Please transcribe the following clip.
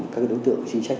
các đối tượng chính sách